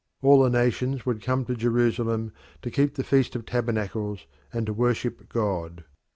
All the nations would come to Jerusalem to keep the feast of tabernacles and to worship God.